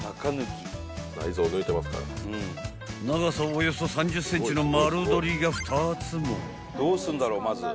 ［長さおよそ３０ｃｍの丸鶏が２つも］